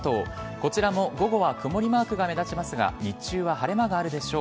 こちらも午後は曇りマークが目立ちますが日中は晴れ間があるでしょう。